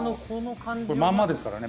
これまんまですからね